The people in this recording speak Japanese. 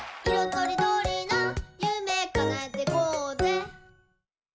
とりどりなゆめかなえてこうぜ！」